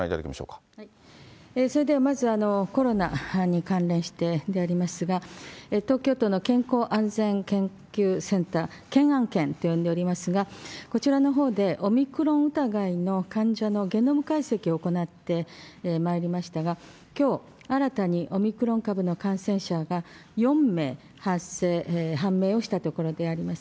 それではまず、コロナに関連してでありますが、東京都の健康安全研究センター、健安研と呼んでおりますが、こちらのほうでオミクロン疑いの患者のゲノム解析を行ってまいりましたが、きょう新たにオミクロン株の感染者が４名発生判明をしたところであります。